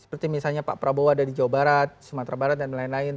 seperti misalnya pak prabowo ada di jawa barat sumatera barat dan lain lain